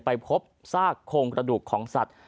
ไปพบซากโครงกระดูกของสัตว์